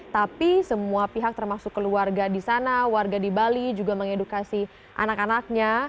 tapi semua pihak termasuk keluarga di sana warga di bali juga mengedukasi anak anaknya